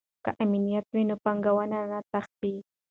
که امنیت وي نو پانګونه نه تښتي.